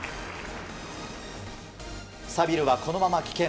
サビルはこのまま棄権。